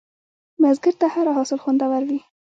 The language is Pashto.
بزګر ته هره حاصل خوندور وي